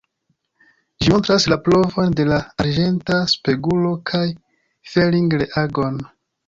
Ĝi montras la provon de la arĝenta spegulo kaj Fehling-reagon.